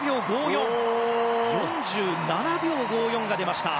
４７秒５４が出ました。